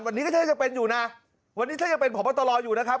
วันนี้ก็ใช่จะเป็นอยู่นะวันนี้ก็ใช่จะเป็นผอบตรอยู่นะครับ